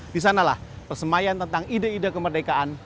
di sanalah persemayan tentang ide ide kemerdekaan